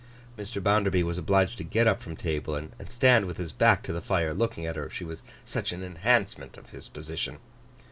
Mr. Bounderby was obliged to get up from table, and stand with his back to the fire, looking at her; she was such an enhancement of his position.